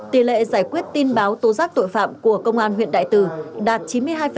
tỷ lệ giải quyết tin báo tố giác tội phạm của công an huyện đại từ đạt chín mươi hai